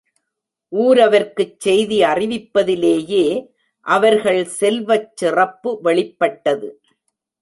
ஊரவர்க்குச் செய்தி அறிவிப்பதிலேயே அவர்கள் செல்வச் சிறப்பு வெளிப்பட்டது.